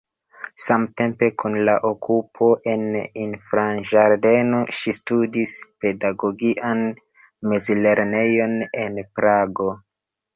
Samtempe kun la okupo en infanĝardeno ŝi studis pedagogian mezlernejon en Prago.